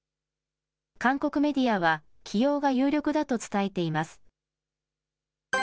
韓国メディアは、起用が有力だと伝えています。